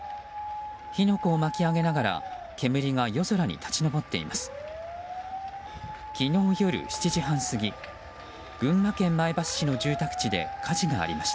火の粉を巻き上げながら煙が夜空に立ち上っています。